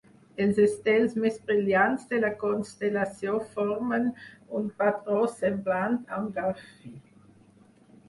Els estels més brillants de la constel·lació formen un patró semblant a un garfi.